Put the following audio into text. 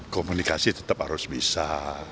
komunikasi tetap harus bisa